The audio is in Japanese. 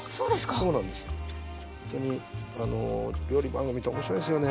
ほんとに料理番組って面白いですよね。